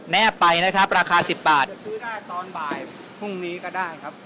แบนะครับราคา๑๐บาทซื้อได้ตอนบ่ายพรุ่งนี้ก็ได้ครับ